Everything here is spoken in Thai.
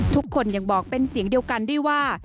ทุกคนยังบอกเป็นเสียงเดียวกันด้วยว่า